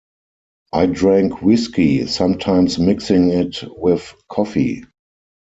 I drank whiskey, sometimes mixing it with coffee.